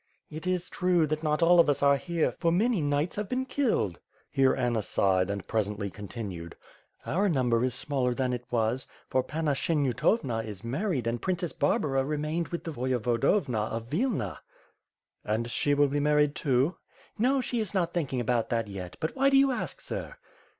"It is true, that not all of us are here, for many knights have been killed." Here Anna sighed and presently continued: "Our number is smaller than it was, for Panna Syenyutovna is married and Princess Barbara remained with the Voyevodovna of Vilna." "And she will be married, too." "No, she is not thinking about that yet; but why do you ask. Sir?"